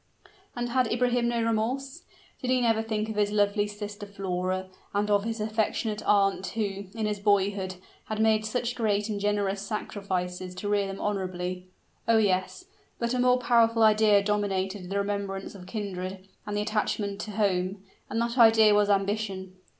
And had Ibrahim no remorse? Did he never think of his lovely sister Flora, and of his affectionate aunt who, in his boyhood, had made such great and generous sacrifices to rear them honorably? Oh! yes; but a more powerful idea dominated the remembrance of kindred, and the attachment to home and that idea was ambition!